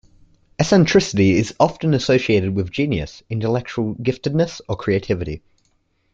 Eccentricity is often associated with genius, intellectual giftedness, or creativity.